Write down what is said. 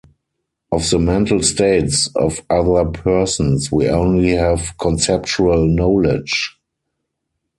Of the mental states of other persons we only have conceptual knowledge.